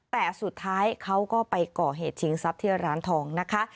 แต่สุดท้ายเขาก็ไปก่อเหตุชิงทรัพย์ที่ร้านทองนะคะ